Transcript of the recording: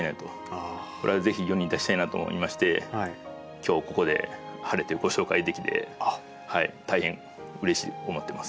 これはぜひ世に出したいなと思いまして今日ここで晴れてご紹介できて大変うれしく思ってます。